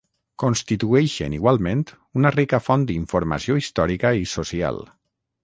Constitueixen igualment una rica font d'informació històrica i social.